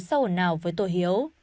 sau hồn nào với tôi